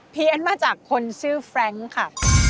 เพี้ยนมาจากคนชื่อแฟรงค์ค่ะ